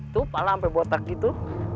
tuh kepala sampai botak gitu